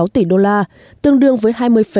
tỷ đô la tương đương với